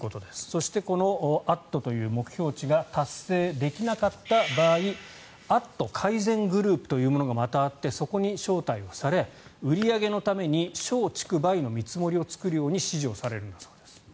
そしてこの「＠」という目標値が達成できなかった場合「＠」改善グループというものがまたあってそこに招待をされ売り上げのために松竹梅の見積もりを作るように指示をされるんだそうです。